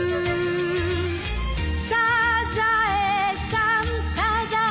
「サザエさんサザエさん」